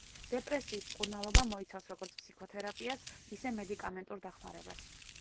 დეპრესიის მკურნალობა მოიცავს როგორც ფსიქოთერაპიას, ისე მედიკამენტურ დახმარებას.